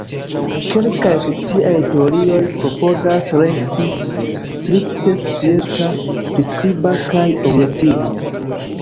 Kelkaj sociaj teorioj klopodas resti strikte scienca, priskriba, kaj objektiva.